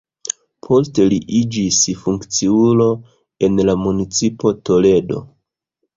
Poste li iĝis funkciulo en la Municipo Toledo.